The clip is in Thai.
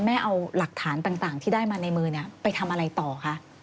แม่เอาหลักฐานต่างที่ได้มาในมือไปทำอะไรต่อคะ